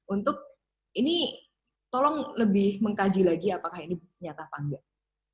untuk ini tolong lebih mengkaji lagi apakah ini nyata apa enggak